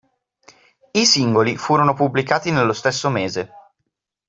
I singoli furono pubblicati nello stesso mese.